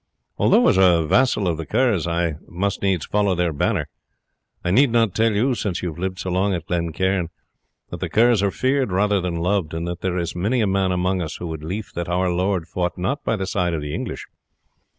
Although as a vassal of the Kerrs I must needs follow their banner, I need not tell you, since you have lived so long at Glen Cairn, that the Kerrs are feared rather than loved, and that there is many a man among us who would lief that our lord fought not by the side of the English.